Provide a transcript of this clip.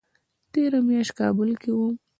تېره میاشت کابل کې وم